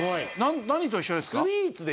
何と一緒ですか？